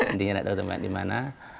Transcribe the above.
intinya tidak tahu tempat di mana